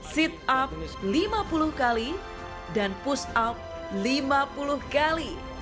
sit up lima puluh kali dan push up lima puluh kali